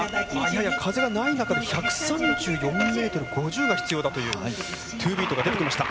やや風がない中で１３４ｍ５０が必要だというトゥービートが出てきました。